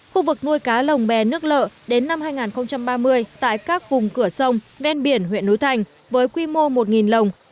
khu vực nuôi cá lồng bè nước lợ đến năm hai nghìn ba mươi tại các vùng cửa sông ven biển huyện núi thành với quy mô một lồng